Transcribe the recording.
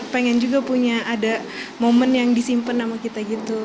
pengen juga punya ada momen yang disimpan sama kita gitu